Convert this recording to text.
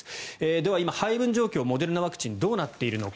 では、今の配分状況モデルナワクチンどうなっているのか。